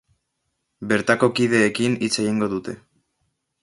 Bertako kideekin hitz egingo dute.